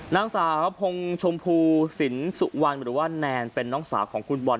นางสาวพงชมพูสินสุวรรณหรือว่าแนนเป็นน้องสาวของคุณบอล